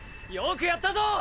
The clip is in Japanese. よくやったぞ！